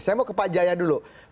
saya mau ke pak jaya dulu